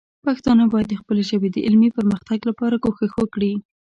پښتانه باید د خپلې ژبې د علمي پرمختګ لپاره کوښښ وکړي.